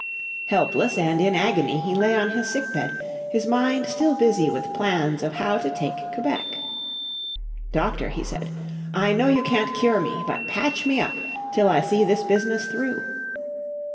Helpless and in agony he lay on his sickbed, his mind still busy with plans of how to take Quebec. "Doctor," he said, "I know you can't cure me but patch me up till I see this business through."